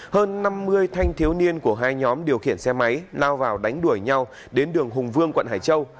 hơn năm mươi thanh thiếu niên của hai nhóm điều khiển xe máy lao vào đánh đuổi nhau đến đường hùng vương quận hải châu